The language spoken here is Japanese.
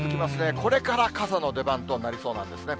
これから傘の出番となりそうなんですね。